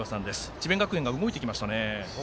智弁学園が動いてきました。